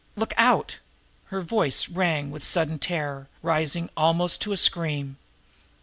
Look out!" Her voice rang with sudden terror, rising almost to a scream.